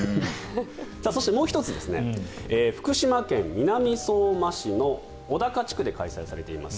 そしてもう１つ福島県南相馬市の小高地区で開催されています